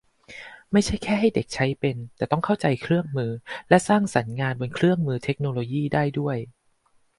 ไม่ใช่แค่ให้เด็กใช้เป็น แต่ต้องเข้าใจเครื่องมือ และสร้างสรรค์งานบนเครื่องมือเทคโนโลยีได้ด้วย